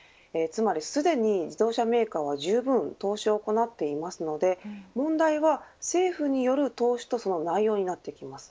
つまり、すでに自動車メーカーはじゅうぶん投資を行っていますので問題は政府による投資とその内容になってきます。